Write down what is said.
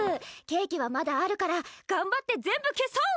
ケーキはまだあるから頑張って全部消そう！